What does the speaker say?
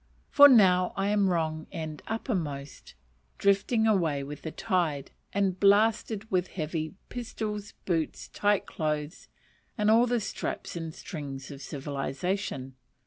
for now I am wrong end uppermost, drifting away with the tide, and ballasted with heavy pistols, boots, tight clothes, and all the straps and strings of civilization.